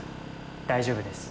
大丈夫です。